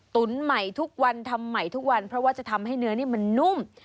ใหม่ทุกวันทำใหม่ทุกวันเพราะว่าจะทำให้เนื้อนี่มันนุ่ม